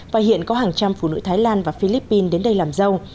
và hiện có hàng trăm phụ nữ thái lan và philippines đến đây làm dâu